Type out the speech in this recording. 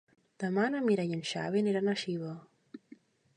Demà na Mira i en Xavi aniran a Xiva.